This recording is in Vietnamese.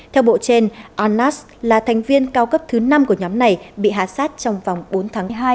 theo bộ trên annas là thành viên cao cấp thứ năm của nhóm này bị hạ sát trong vòng bốn tháng hai